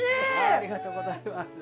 ありがとうございます。